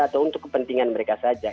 atau untuk kepentingan mereka saja